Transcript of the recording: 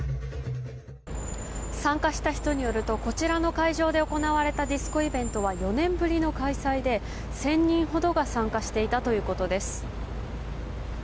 参加した人によるとこちらの会場で行われたディスコイベントは４年ぶりの開催で１０００人ほどが参加していたということです。